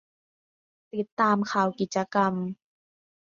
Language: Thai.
ติดตามข่าวกิจกรรม